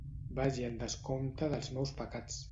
Vagi en descompte dels meus pecats.